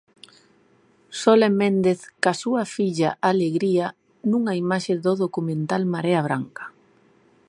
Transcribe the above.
Sole Méndez coa súa filla Alegría nunha imaxe do documental 'Marea branca'.